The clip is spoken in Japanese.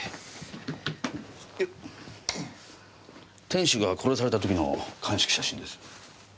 店主が殺された時の鑑識写真です。